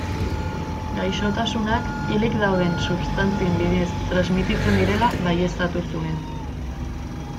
Gaixotasunak hilik dauden substantzien bidez transmititzen direla baieztatu zuen.